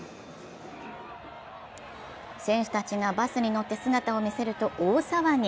選手たちがバスに乗って姿を見せると大騒ぎに。